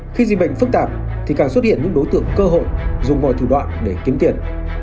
khi dịch bệnh phức tạp thì càng xuất hiện những đối tượng cơ hội dùng mọi thủ đoạn để kiếm tiền